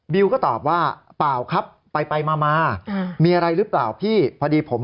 ก็ตอบว่าเปล่าครับไปไปมามามีอะไรหรือเปล่าพี่พอดีผม